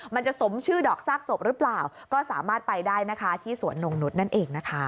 มันจะสมชื่อดอกซากศพหรือเปล่าก็สามารถไปได้นะคะที่สวนนงนุษย์นั่นเองนะคะ